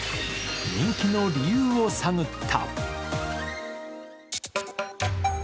人気の理由を探った。